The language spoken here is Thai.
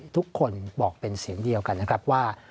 ทุกคนบอกเป็นเสียงเดียวกันนะครับว่า